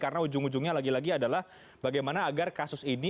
karena ujung ujungnya lagi lagi adalah bagaimana agar kasus ini